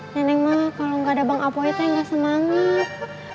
neneng mah kalo gak ada bang apoy teh gak semangat